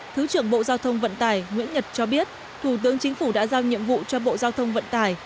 thứ trưởng bộ giao thông vận tải nguyễn nhật cho biết thủ tướng chính phủ đã giao nhiệm vụ cho bộ giao thông vận tải